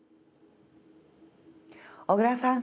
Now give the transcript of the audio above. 小倉さん